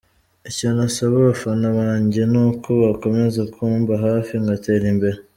Icyo nasaba abafana banjye ni uko bakomeza kumba hafi ngatera imbere.